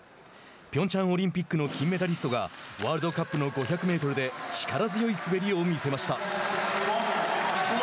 ピョンチャンオリンピックの金メダリストがワールドカップの５００メートルで力強い滑りを見せました。